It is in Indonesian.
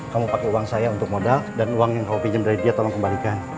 kamu pakai uang saya untuk modal dan uang yang kamu pinjam dari dia tolong kembalikan